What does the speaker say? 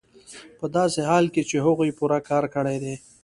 په داسې حال کې چې هغوی پوره کار کړی دی